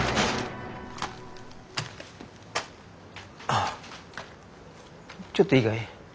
ああちょっといいかい？